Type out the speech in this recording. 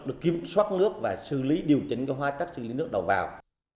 được kiểm soát nước và xử lý điều chỉnh hóa chất xử lý nước đầu vào